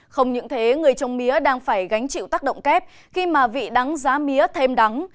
không những thế người trồng mía đang phải gánh chịu tác động kép khi mà vị đắng giá mía thêm đắng